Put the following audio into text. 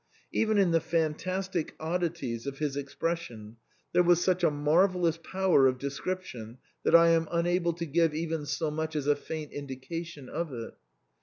Even in the fantastic oddities of his expression there was such a marvellous power of de scription that I am unable to give even so much as a faint indication of it.